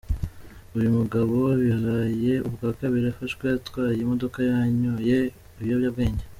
Uyu mugabo bibaye ubwa kabiri afashwe atwaye imodoka yanyoye ibiyobyabwenge.